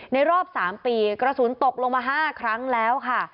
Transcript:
รอบ๓ปีกระสุนตกลงมา๕ครั้งแล้วค่ะ